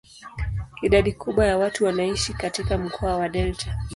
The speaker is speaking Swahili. Idadi kubwa ya watu wanaishi katika mkoa wa delta.